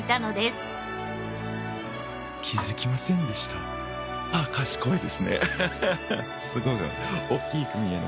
すごいな。